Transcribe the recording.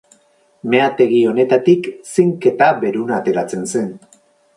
Meategi honetatik zink eta beruna ateratzen zen.